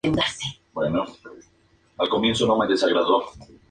Fue el encargado de dar la noticia del fallecimiento de Patroclo a Aquiles.